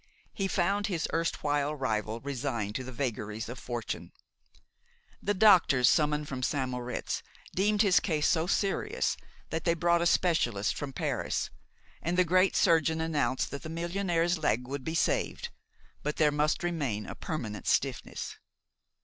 He found his erstwhile rival resigned to the vagaries of fortune. The doctors summoned from St. Moritz deemed his case so serious that they brought a specialist from Paris, and the great surgeon announced that the millionaire's leg would be saved; but there must remain a permanent stiffness.